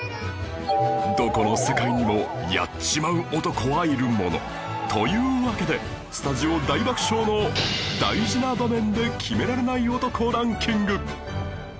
どこの世界にもやっちまう男はいるものというわけでスタジオ大爆笑の大事な場面で決められない男ランキング